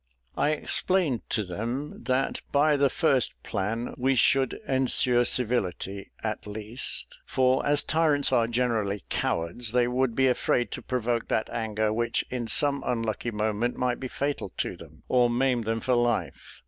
I explained to them that by the first plan we should ensure civility, at least; for as tyrants are generally cowards, they would be afraid to provoke that anger which in some unlucky moment might be fatal to them, or maim them for life.